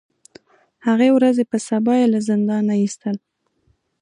د هغې ورځې په سبا یې له زندان نه ایستل.